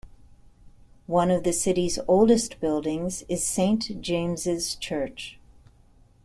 One of the city's oldest buildings is Saint James's church.